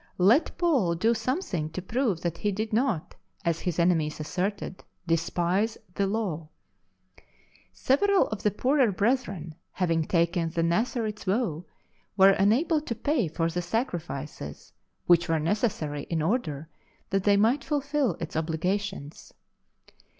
Let Paul do something to prove that he did not, as his enemies asserted, despise the Law'. Several of the poorer brethren, having taken the Nazaidtes' vow, were unable to pay for the sacrifices which were necessary in order that they might fulfil its obligations.